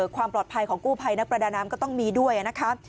ความปลอดภัยของกู้ภัยนักประดาน้ำก็ต้องมีด้วยนะครับ